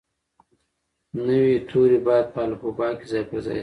نوي توري باید په الفبې کې ځای پر ځای شي.